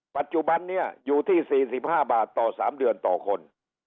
ปัจจุบันนี้อยู่ที่๔๕บาทต่อ๓เดือนต่อคน